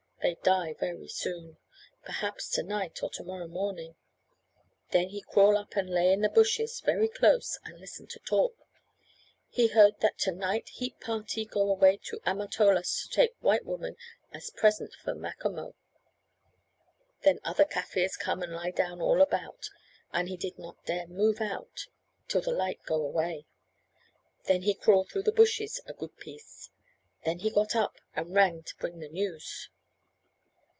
They die very soon, perhaps to night or to morrow morning. Then he crawl up and lay in the bushes, very close, and listen to talk. He heard that to night heap party go away to Amatolas and take white woman as present for Macomo; then other Kaffirs come and lie down all about, and he did not dare move out till the light go away. Then he crawl through the bushes a good piece; then he got up and ran to bring the news."